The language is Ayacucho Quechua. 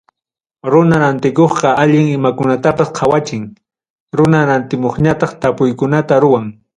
Runa rantikuqqa, allin imakunatapas qawachin. Runa rantimuqñataq tapuykunata ruwan.